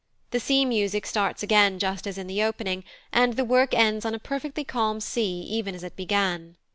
The sea music starts again just as in the opening, and the work ends on a perfectly calm sea even as it began.